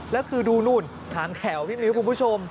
แล้วคือดูนู่นหางแถวพี่มิ้วคุณผู้ชม